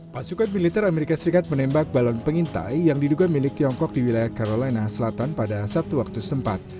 pasukan militer amerika serikat menembak balon pengintai yang diduga milik tiongkok di wilayah carolena selatan pada sabtu waktu setempat